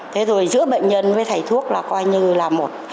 thế rồi giữa bệnh nhân với thầy thuốc là coi như là một